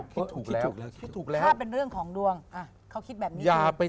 คิดถูกแล้วเค้าขิดแบบงี้ดี